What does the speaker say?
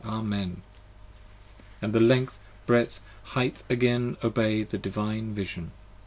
Amen. 55 And Length, Bredth, Highth again Obey the Divine Vision.